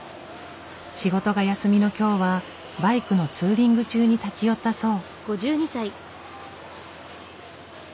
仕事が休みの今日はバイクのツーリング中に立ち寄ったそう。